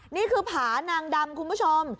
นี่คือผานางดำคุณผู้ชม